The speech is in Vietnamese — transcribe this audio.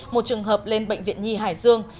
một trường hợp lên bệnh viện nhì hải dương